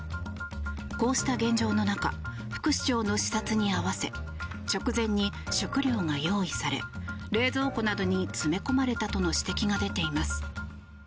こうした現状の中副市長の視察に合わせ直前に食料が用意され冷蔵庫などに詰め込まれたとの指摘が出ています。